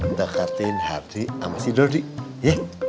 kita kartin hardi sama si dodi ya